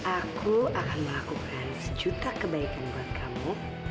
aku akan melakukan sejuta kebaikan buat kamu